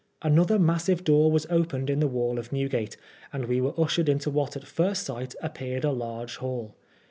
Another massive door was opened in the wall of New gate, and we were ushered into what at first sight ap peared a large hall.